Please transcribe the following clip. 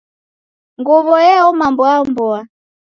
Nguw'o yaw'eoma mboa mboa.